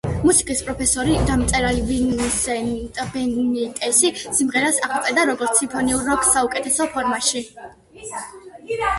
მუსიკის პროფესორი და მწერალი ვინსენტ ბენიტესი სიმღერას აღწერდა, როგორც „სიმფონიურ როკს საუკეთესო ფორმაში“.